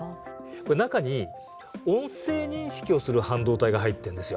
これ中に音声認識をする半導体が入ってるんですよ。